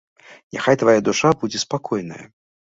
Няхай твая душа будзе спакойная.